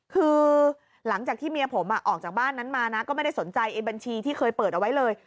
คือหลังจากที่เมียผมออกจากบ้านนั้นมานะก็ไม่ได้สนใจไอ้บัญชีที่เคยเปิดเอาไว้เลย